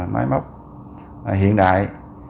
máy móc hiện đại